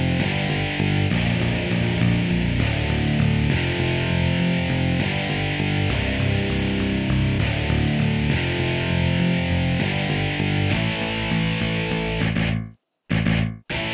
terima kasih terima kasih venus ini